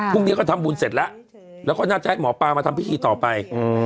พรุ่งนี้ก็ทำบุญเสร็จแล้วแล้วก็น่าจะให้หมอปลามาทำพิธีต่อไป